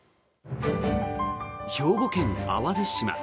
兵庫県・淡路島。